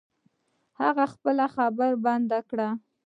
هغه خپله خبره بند کړه.